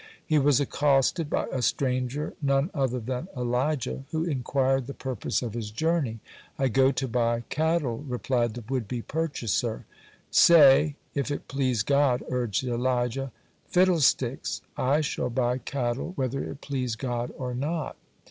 He was accosted by a stranger none other than Elijah who inquired the purpose of his journey. "I go to buy cattle," replied the would be purchaser. "Say, it if please God," urged Elijah. "Fiddlesticks! I shall buy cattle whether it please God or not!